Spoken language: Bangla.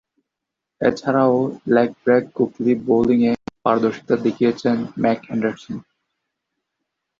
এছাড়াও, লেগ ব্রেক গুগলি বোলিংয়ে পারদর্শীতা দেখিয়েছেন ম্যাক অ্যান্ডারসন।